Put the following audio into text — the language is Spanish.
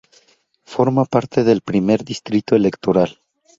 Forma parte del Primer Distrito Electoral.